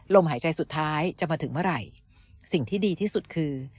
ลมหายใจสุดท้ายจะมาถึงเมื่อไหร่สิ่งที่ดีที่สุดคือ